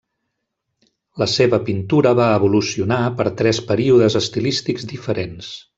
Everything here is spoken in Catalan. La seva pintura va evolucionar per tres períodes estilístics diferents.